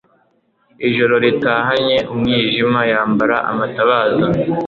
Ijoro ritahanye umwijima yambara amatabaza